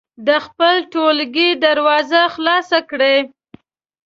د خپل ټولګي دروازه خلاصه کړئ.